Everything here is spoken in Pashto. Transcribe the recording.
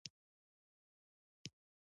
مناسب مکان زمان کې واوسئ.